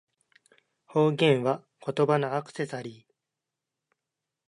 方言は、言葉のアクセサリー